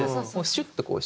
シュッと。